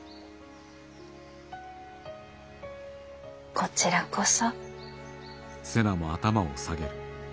こちらこそ。